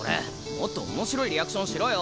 もっと面白いリアクションしろよ！